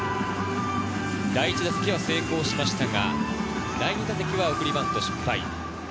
第１打席は成功しましたが、第２打席は送りバント失敗。